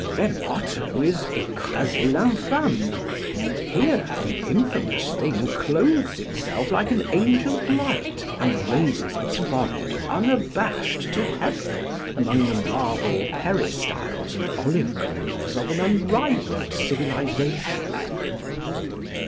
Their motto is Érasez l'infâme! Here the infamous thing clothes itself like an angel of light, and raises its forehead unabashed to heaven among the marble peristyles and olive groves of an unrivalled civilization.